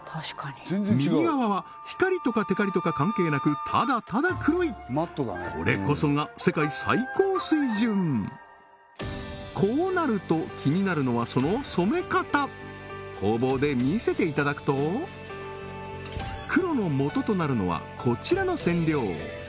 右側は光とかテカリとか関係なくただただ黒いこれこそが世界最高水準こうなると気になるのはその染め方工房で見せていただくと黒のもととなるのはこちらの染料